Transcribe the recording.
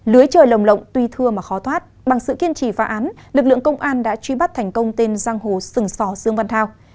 lưới trời lồng lộng tuy thưa mà khó thoát bằng sự kiên trì phá án lực lượng công an đã truy bắt thành công tên giang hồ sừng sò dương văn thao